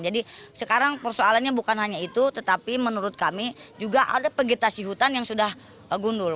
jadi sekarang persoalannya bukan hanya itu tetapi menurut kami juga ada pegetasi hutan yang sudah gundul